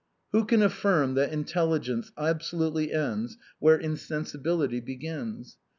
Who can affirm that intelligence absolutely ends where insensibility begins?